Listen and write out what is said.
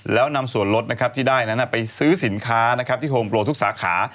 แล้วนำส่วนรถที่ได้ไปซื้อสินค้าที่โฮมโปรมีกิจกรรมทุกสาขา